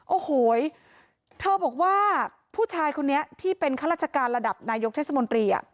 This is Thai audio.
โอ้โหเธอบอกว่าผู้ชายคนนี้ที่เป็นข้าราชการระดับนายกเทศมนตรี